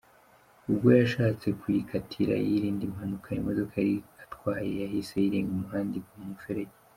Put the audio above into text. Ubwo yashatse kuyikatira yirinda impanuka, imodoka yari atwaye yahise irenga umuhanda igwa mu muferege.